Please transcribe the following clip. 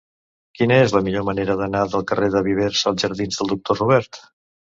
Quina és la millor manera d'anar del carrer dels Vivers als jardins del Doctor Robert?